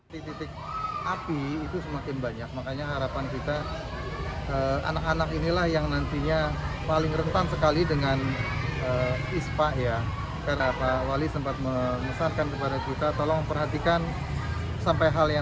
titik titik api itu semakin banyak makanya harapan kita anak anak inilah yang nantinya paling rentan sekali dengan ispa